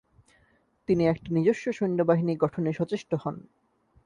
তিনি একটি নিজস্ব সৈন্য বাহিনী গঠনে সচেষ্ট হন।